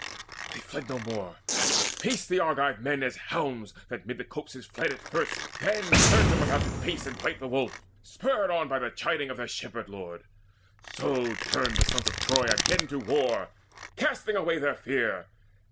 They fled no more, they faced the Argive men, As hounds, that mid the copses fled at first, Turn them about to face and fight the wolf, Spurred by the chiding of their shepherd lord; So turned the sons of Troy again to war, Casting away their fear.